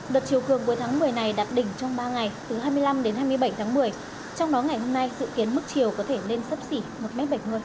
đợt chiều cường cuối tháng một mươi này đạt đỉnh trong ba ngày từ hai mươi năm đến hai mươi bảy tháng một mươi trong đó ngày hôm nay dự kiến mức chiều có thể lên sấp xỉ một m bảy mươi